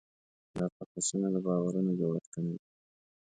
دا قفسونه د باورونو جوړښتونه دي.